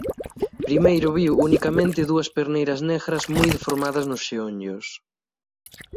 Primeiro viu unicamente dúas perneiras negras moi deformadas nos xeonllos.